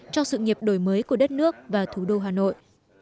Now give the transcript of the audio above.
cho sự nghiệp đổi mới của đất nước và thủ đô hà nội